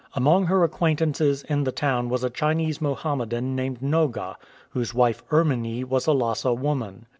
Among her acquaintances in the town was a Chinese Mohammedan named Noga, whose wife, Erminie, was a Lhasa woman.